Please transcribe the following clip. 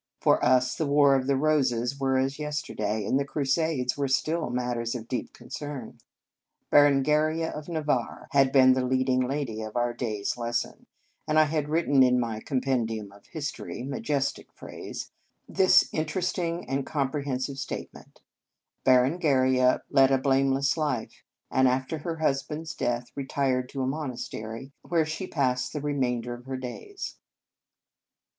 For us, the Wars of the Roses were as yesterday, and the Cru sades were still matters for deep con cern. Berengaria of Navarre had been the " leading lady " of our day s lesson, and I had written in my " Compendium of History " majes tic phrase this interesting and com prehensive statement :" Berengaria led a blameless life, and, after her husband s death, retired to a monas tery, where she passed the remainder of her days."